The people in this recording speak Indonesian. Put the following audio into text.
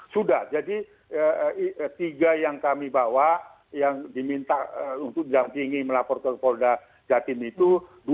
sudah jadi tiga yang kami bawa yang diminta untuk didampingi melapor ke polda jatim itu